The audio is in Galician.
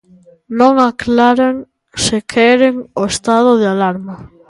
Non aclaran se queren o estado de alarma.